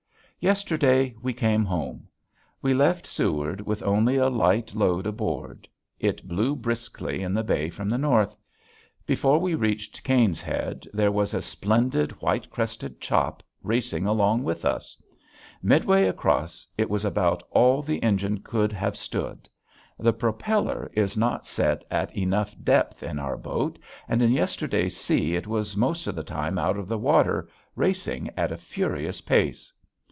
Yesterday we came home! We left Seward with only a light load aboard. It blew briskly in the bay from the north. Before we reached Caine's Head there was a splendid, white crested chop racing along with us. Midway across it was about all the engine could have stood. The propeller is not set at enough depth in our boat and in yesterday's sea it was most of the time out of water, racing at a furious pace.